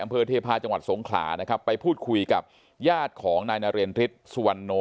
อำเภอเทพาะจังหวัดสงขลานะครับไปพูดคุยกับญาติของนายนาเรนฤทธิ์สุวรรณโน